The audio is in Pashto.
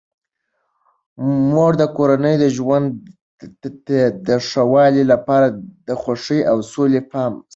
مور د کورني ژوند د ښه والي لپاره د خوښۍ او سولې پام ساتي.